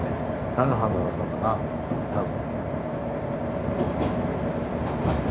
菜の花なのかな多分。